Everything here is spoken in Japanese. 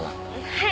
はい。